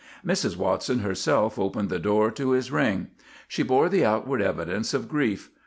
Mrs. Watson herself opened the door to his ring. She bore the outward evidence of grief.